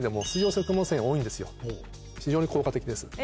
非常に効果的です。